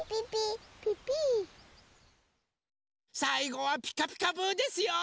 さいごは「ピカピカブ！」ですよ！